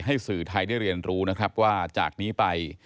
ให้สื่อไทยได้เรียนรู้ว่าจากนี้ไป